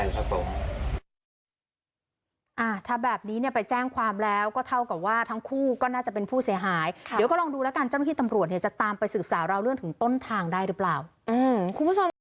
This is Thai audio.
เขาก็ตอบมาเป็นหมูล้วนไม่มีแต่งสะสม